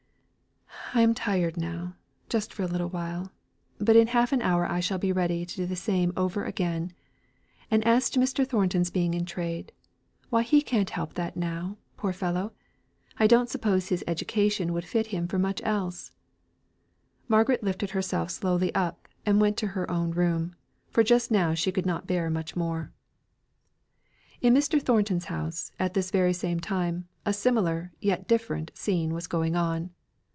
I am tired now, just for a little while; but in half an hour I shall be ready to do the same over again. And as to Mr. Thornton's being in trade, why he can't help that now, poor fellow. I don't suppose his education would fit him for much else," Margaret lifted herself slowly up, and went to her own room; for just now she could not bear much more. In Mr. Thornton's house, at this very same time, a similar, yet different scene was going on.